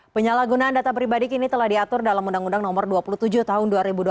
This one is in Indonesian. penyalahgunaan data pribadi kini telah diatur dalam undang undang nomor dua puluh tujuh tahun dua ribu dua puluh